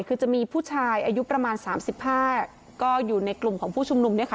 คือจะมีผู้ชายอายุประมาณ๓๕ก็อยู่ในกลุ่มของผู้ชุมนุมเนี่ยค่ะ